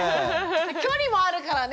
距離もあるからね。